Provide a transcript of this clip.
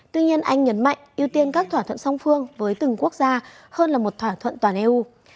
tuy nhiên anh nhấn mạnh ưu tiên các thỏa thuận song phương với từng quốc gia hơn là một thỏa thuận toàn eu